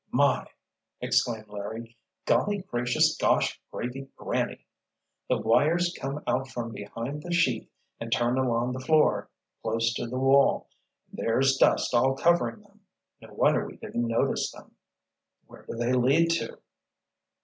"My!" exclaimed Larry. "Golly gracious gosh gravy granny! The wires come out from behind the sheath and turn along the floor, close to the wall—and there's dust all covering them! No wonder we didn't notice them." "Where do they lead to?"